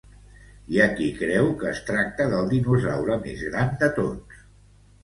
Hi ha qui creue que es tracta del dinosaure més gran de tots.